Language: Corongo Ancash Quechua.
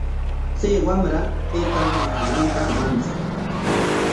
Chay wamra taytan maqananta manchan.